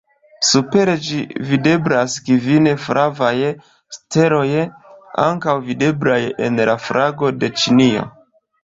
Super ĝi videblas kvin flavaj steloj ankaŭ videblaj en la flago de Ĉinio.